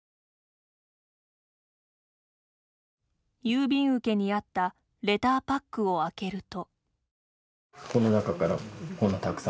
郵便受けにあったレターパックを開けると。